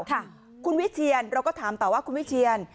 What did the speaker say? คุณวิเชียนเราก็ถามต่อว่าคุณวิเชียน